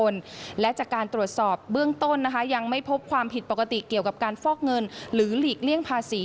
และจากการตรวจสอบเบื้องต้นนะคะยังไม่พบความผิดปกติเกี่ยวกับการฟอกเงินหรือหลีกเลี่ยงภาษี